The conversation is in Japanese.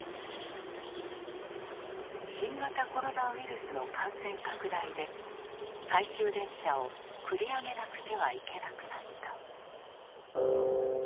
新型コロナウイルスの感染拡大で最終電車を繰り上げなくてはいけなくなった。